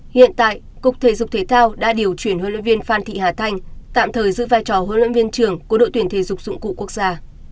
hiện tại cục thể dục thể thao đã điều chuyển huấn luyện viên phan thị hà thanh tạm thời giữ vai trò huấn luyện viên trưởng của đội tuyển thể dục dụng cụ quốc gia